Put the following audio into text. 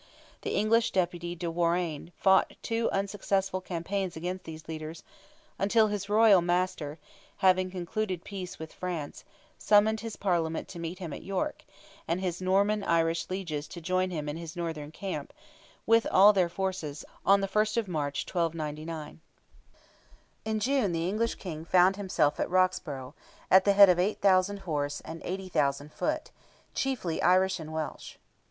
The English deputy de Warrane fought two unsuccessful campaigns against these leaders, until his royal master, having concluded peace with France, summoned his Parliament to meet him at York, and his Norman Irish lieges to join him in his northern camp, with all their forces, on the 1st of March, 1299. In June the English King found himself at Roxburgh, at the head of 8,000 horse, and 80,000 foot, "chiefly Irish and Welsh."